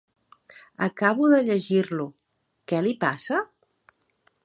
Acabo de llegir-lo. Què li passa?